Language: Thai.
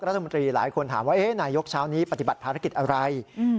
รัฐมนตรีหลายคนถามว่านายกเช้านี้ปฏิบัติภารกิจอะไร